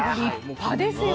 立派ですよね。